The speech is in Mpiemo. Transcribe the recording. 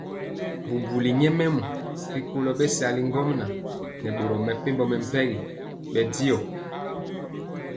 Bubuli nyɛmemɔ rikolo bɛsali ŋgomnaŋ nɛ boro mepempɔ mɛmpegi bɛndiɔ.